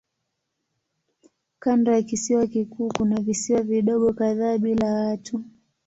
Kando ya kisiwa kikuu kuna visiwa vidogo kadhaa bila watu.